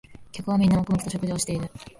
客はみんな黙々と食事をしている